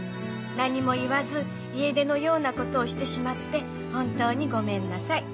何も言わず家出のようなことをしてしまって本当にごめんなさい。